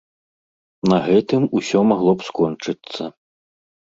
На гэтым усё магло б скончыцца.